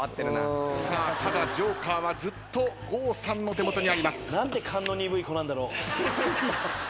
ただＪＯＫＥＲはずっと郷さんの手元にあります。